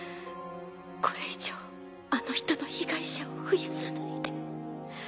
これ以上あの人の被害者を増やさないで。